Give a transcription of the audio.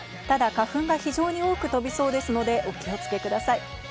ただ花粉が非常に多く飛びそうですので、お気をつけください。